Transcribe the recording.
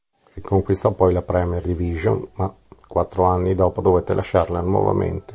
Riconquistò poi la Premier Division, ma quattro anni dopo dovette lasciarla nuovamente.